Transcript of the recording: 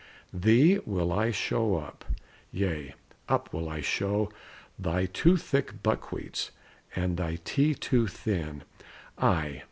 Thee will I show up yea, up will I show Thy too thick buckwheats, and thy tea too thin. Ay!